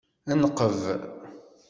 Nqeb.